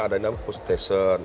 adanya pus station